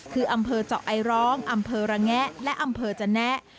คืออำเภอเจาะไอร้องอำเภอระแงะและอำเภอจนะ